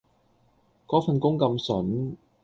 嗰份工咁旬